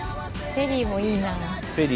フェリーいいね。